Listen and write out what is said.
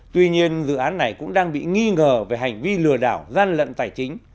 tuy nhiên dự án này cũng đang bị nghi ngờ về hành vi lừa đảo gian lận tài chính